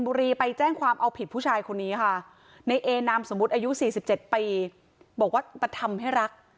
บอกว่ามาทำให้รัก